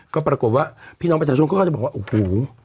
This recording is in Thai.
ก็ปรากฏว่าพี่น้องประชาชนเขาก็จะบอกว่าโอ้โห